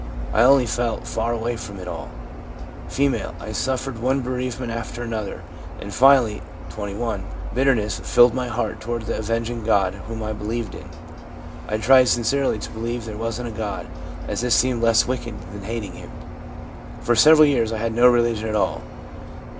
I only felt far away from it all/ F. ' I suffered one bereave ment after another, and finally (21) bitterness filled my heart toward the avenging God whom I believed in. I tried sincerely to believe there wasn't a God, as this seemed less wicked than hating Him. For several years I had no religion at all.'